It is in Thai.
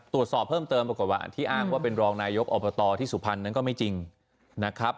ตรวจสอบเพิ่มเติมปรากฏว่าที่อ้างว่าเป็นรองนายกอบตที่สุพรรณนั้นก็ไม่จริงนะครับ